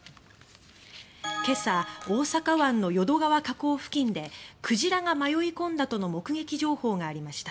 今朝大阪湾の淀川河口付近で「クジラが迷い込んだ」との目撃情報がありました。